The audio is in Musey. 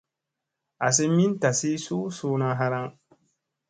Asi min tasi su suuna halaŋ.